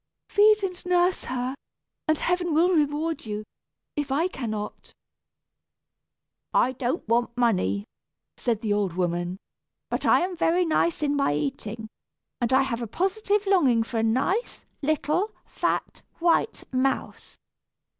Feed and nurse her, and heaven will reward you, if I cannot." "I don't want money," said the old woman; "but I am very nice in my eating, and I have a positive longing for a nice, little, fat, white mouse.